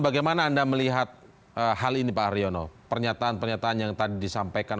bagaimana anda melihat hal ini pak haryono pernyataan pernyataan yang tadi disampaikan